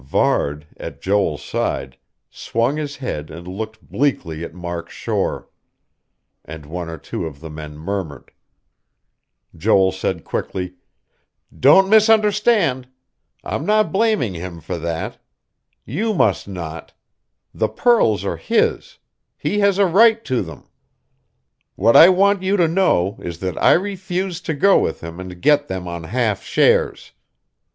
Varde, at Joel's side, swung his head and looked bleakly at Mark Shore; and one or two of the men murmured. Joel said quickly: "Don't misunderstand. I'm not blaming him for that. You must not. The pearls are his. He has a right to them.... "What I want you to know is that I refused to go with him and get them on half shares.